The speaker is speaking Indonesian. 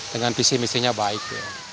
dengan visi visinya baik